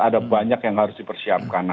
ada banyak yang harus dipersiapkan